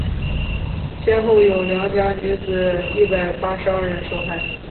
先后有良家女子一百八十二人受害。